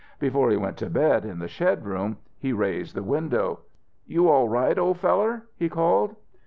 Before he went to bed in the shed room, he raised the window. "You all right, old feller?" he called.